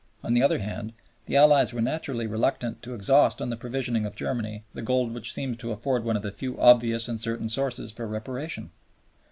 On the other hand, the Allies were naturally reluctant to exhaust on the provisioning of Germany the gold which seemed to afford one of the few obvious and certain sources for Reparation.